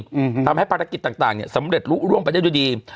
อืมทำให้ภารกิจต่างต่างเนี้ยสำเร็จรู้ร่วงไปได้ด้วยดี